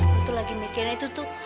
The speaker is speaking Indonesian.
lu tuh lagi mikirin itu tuh